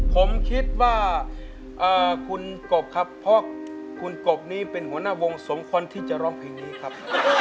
ผมคิดว่าคุณกบครับเพราะคุณกบนี้เป็นหัวหน้าวงสมควรที่จะร้องเพลงนี้ครับ